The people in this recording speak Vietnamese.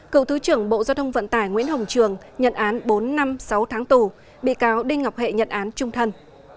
cựu thứ trưởng bộ giao thông vận tải nguyễn hồng trường nhận án bốn năm sáu tháng tù bị cáo đinh ngọc hệ nhận án trung thân